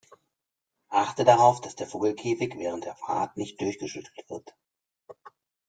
Achte darauf, dass der Vogelkäfig während der Fahrt nicht durchgeschüttelt wird!